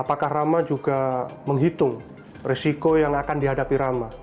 apakah rama menghitung risiko yang akan dihadapi rama